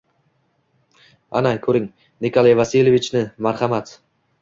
Ana, koʻring Nikolay Vasilyevichni. Marhamat!